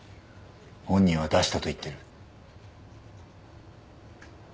本人は出したと言ってる。